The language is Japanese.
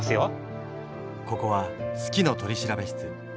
ここは「好きの取調室」。